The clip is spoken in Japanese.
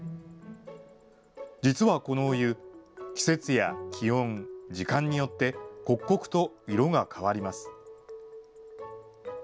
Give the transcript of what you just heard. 実はこのお湯、季節や気温、時間によって、刻々と色が変わります。